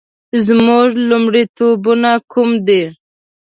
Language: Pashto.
زما لومړیتوبونه کوم دي؟